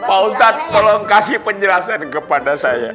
pak ustadz tolong kasih penjelasan kepada saya